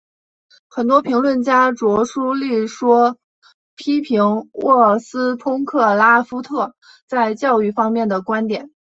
很多评论家着书立说批评沃斯通克拉夫特在教育方面的观点。